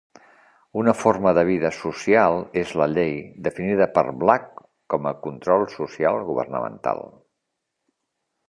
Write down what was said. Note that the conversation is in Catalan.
Una forma de vida social és la llei, definida per Black com a control social governamental.